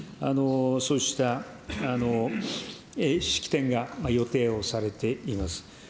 そうした式典が予定をされています。